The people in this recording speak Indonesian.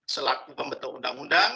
selaku pembentuk undang undang